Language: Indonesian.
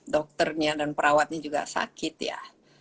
dokternya dan perawatnya juga sakit ya